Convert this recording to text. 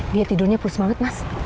dia tidurnya plus banget mas